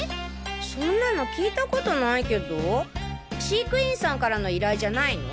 そんなの聞いたことないけど飼育員さんからの依頼じゃないの？